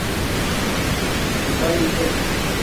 موباݵل لے